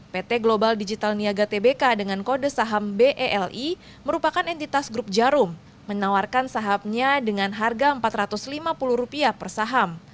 pt global digital niaga tbk dengan kode saham beli merupakan entitas grup jarum menawarkan sahamnya dengan harga rp empat ratus lima puluh per saham